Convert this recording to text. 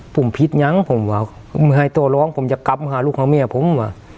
ผมผิดยังผมว่าให้ตัวร้องผมจะกลับมาหาลูกหาเมียผมว่ะ